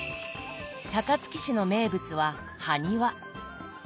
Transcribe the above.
高槻市の名物ははにわ。